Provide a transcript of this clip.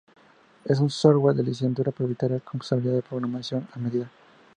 Es un software de licencia propietaria, con posibilidad de programación a medida.